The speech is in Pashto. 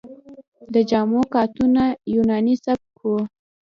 د جامو کاتونه یوناني سبک و